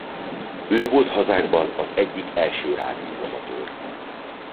Ő volt hazánkban az egyik első rádióamatőr.